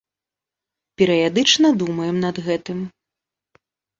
Перыядычна думаем над гэтым.